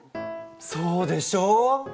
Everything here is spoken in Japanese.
そうでしょう？